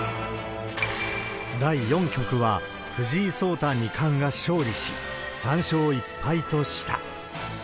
第４局は藤井聡太二冠が勝利し、３勝１敗とした。